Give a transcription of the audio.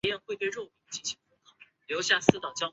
凸四边形的两条对角线将自身分成四个三角形。